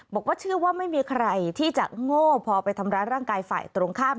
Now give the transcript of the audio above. บอกว่าเชื่อว่าไม่มีใครที่จะโง่พอไปทำร้ายร่างกายฝ่ายตรงข้าม